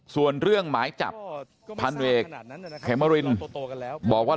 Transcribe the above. ส่วนเรื่องหมายจับพันเอกเขมรินบอกว่า